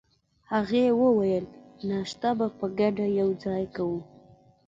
هغې وویل: ناشته به په ګډه یوځای کوو.